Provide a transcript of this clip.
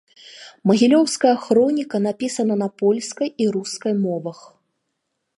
Магілёўская хроніка напісана на польскай і рускай мовах.